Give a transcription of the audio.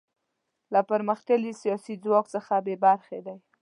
له پرمختللي سیاسي ځواک څخه بې برخې دي.